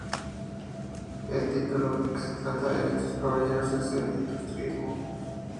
El título con que se trata a estos caballeros es el de Ilustrísimo.